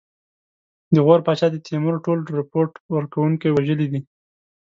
د غور پاچا د تیمور ټول رپوټ ورکوونکي وژلي دي.